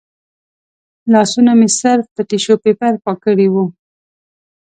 لاسونه مې صرف په ټیشو پیپر پاک کړي و.